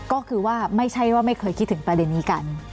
ก็คือว่าไม่ใช่ว่าไม่เคยคิดถึงประเด็นนี้กัน